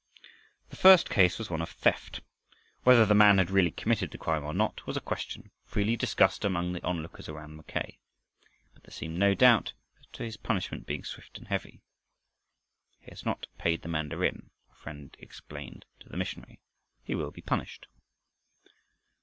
The first case was one of theft. Whether the man had really committed the crime or not was a question freely discussed among the onlookers around Mackay. But there seemed no doubt as to his punishment being swift and heavy. "He has not paid the mandarin," a friend explained to the missionary. "He will be punished."